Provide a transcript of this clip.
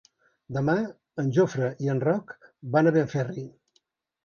Demà en Jofre i en Roc van a Benferri.